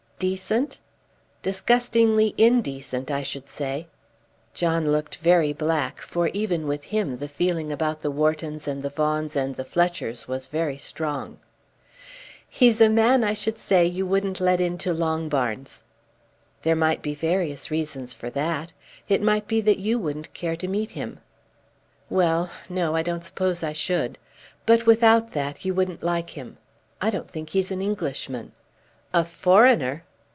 "Decent?" "Disgustingly indecent, I should say." John looked very black, for even with him the feeling about the Whartons and the Vaughans and the Fletchers was very strong. "He's a man I should say you wouldn't let into Longbarns." "There might be various reasons for that. It might be that you wouldn't care to meet him." "Well; no, I don't suppose I should. But without that you wouldn't like him. I don't think he's an Englishman." "A foreigner!"